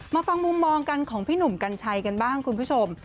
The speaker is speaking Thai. ฟังมุมมองกันของพี่หนุ่มกัญชัยกันบ้างคุณผู้ชม